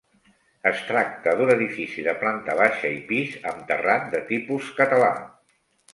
Es tracta d'un edifici de planta baixa i pis amb terrat de tipus català.